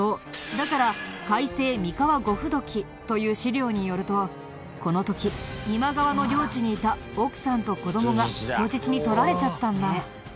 だから『改正三河後風土記』という史料によるとこの時今川の領地にいた奥さんと子供が人質に取られちゃったんだ。